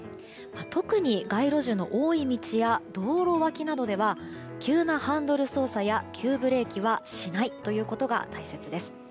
特に街路樹の多い道や道路脇などでは急なハンドル操作や急ブレーキはしないということが大切です。